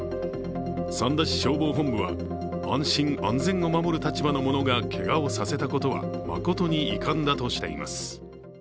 三田市消防本部は、安心・安全を守る立場の者がけがをさせたことは誠に遺憾だとしています。